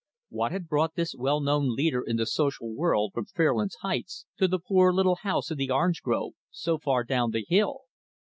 What had brought this well known leader in the social world from Fairlands Heights to the poor, little house in the orange grove, so far down the hill?